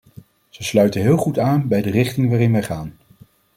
Ze sluiten heel goed aan bij de richting waarin wij gaan.